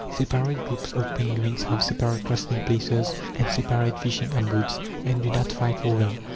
Separate groups of penguins have separate resting places and separate fishing abodes, and do not fight for them.